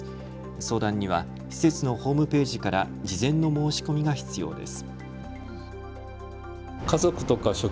相談には施設のホームページから事前の申し込みが必要です。